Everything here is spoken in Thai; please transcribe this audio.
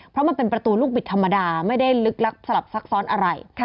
เพราะมันเป็นประตูลูกบิดธรรมดาไม่ได้ลึกลับสลับซับซ้อนอะไร